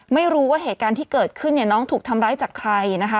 ไม่รู้ว่าเหตุการณ์ที่เกิดขึ้นเนี่ยน้องถูกทำร้ายจากใครนะคะ